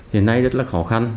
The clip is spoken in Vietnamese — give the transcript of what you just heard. hiện nay rất là khó khăn